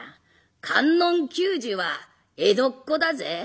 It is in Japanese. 観音久次は江戸っ子だぜ？